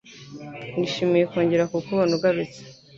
Nishimiye kongera kukubona ugarutse.